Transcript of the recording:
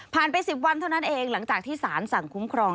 ไป๑๐วันเท่านั้นเองหลังจากที่สารสั่งคุ้มครอง